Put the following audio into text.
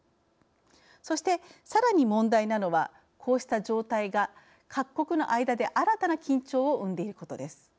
そしてさらに問題なのはこうした状態が各国の間で新たな緊張を生んでいることです。